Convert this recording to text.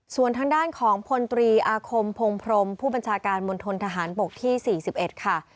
ส่วนทางด้านของพลตรีอาคมพงพรมผู้บัญชาการมณฑนทหารบกที่๔๑ค่ะ